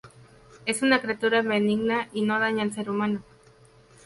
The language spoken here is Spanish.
Es una criatura benigna y no daña al ser humano.